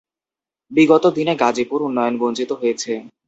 বিগত দিনে গাজীপুর উন্নয়নবঞ্চিত হয়েছে।